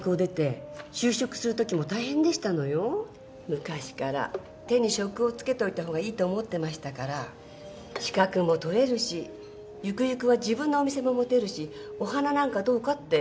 昔から手に職をつけておいた方がいいと思ってましたから「資格も取れるしゆくゆくは自分のお店も持てるしお花なんかどうか？」って